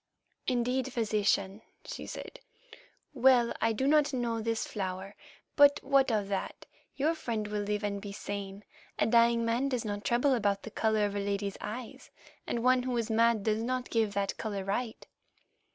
"Indeed, Physician," she said. "Well, I do not know this flower, but what of that? Your friend will live and be sane. A dying man does not trouble about the colour of a lady's eyes, and one who is mad does not give that colour right."